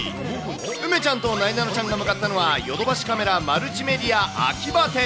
梅ちゃんとなえなのちゃんが向かったのは、ヨドバシカメラマルチメディアアキバ店。